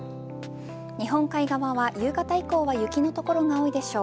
日本海側は夕方以降は雪の所が多いでしょう。